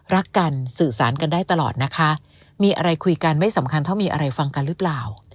รักกันสื่อสารกันได้ตลอดนะคะมีอะไรคุยกันไม่สำคัญเท่ามีอะไรฟังกันหรือเปล่า